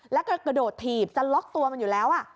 แล้วก็กระโดดถีบจะล็อกตัวมันอยู่แล้ว